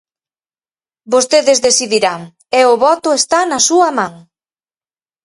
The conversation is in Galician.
Vostedes decidirán, e o voto está na súa man.